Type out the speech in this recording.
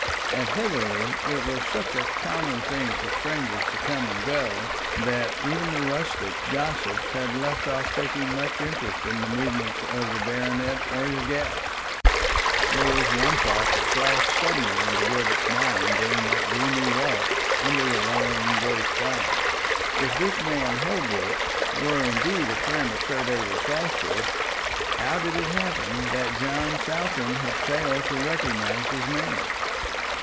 At Heatherly it was such a common thing for strangers to come and go, that even the rustic gossips had left off taking much interest in the movements of the Baronet or his guests. There was one thought that flashed suddenly into Gilbert's mind during that gloomy walk under the lowering gray sky. If this man Holbrook were indeed a friend of Sir David Forster's, how did it happen that John Saltram had failed to recognize his name?